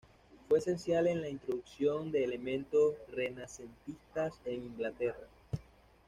Fue esencial en la introducción de elementos renacentistas en Inglaterra.